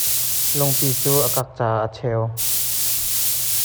Lungpi cu a kak caah aa cheu.